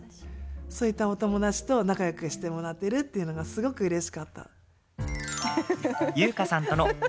そういったお友達と仲よくしてもらっているっていうのがすごくうれしかった。